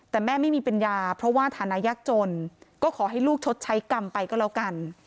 แต่แม่ไม่มีปัญญาเพราะว่าฐานะยากจนก็ขอให้ลูกชดใช้กรรมไปก็แล้วกัน